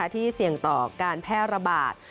ที่เสี่ยงต่อการแพร่ระบาด